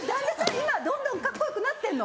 今どんどんカッコよくなってんの！